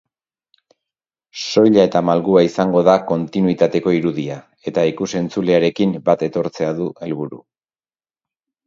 Soila eta malgua izango da kontinuitateko irudia eta ikus-entzulearekin bat etortzea du helburu.